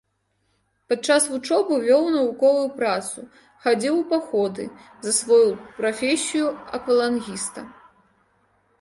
Пад час вучобы вёў навуковую працу, хадзіў у паходы, засвоіў прафесію аквалангіста.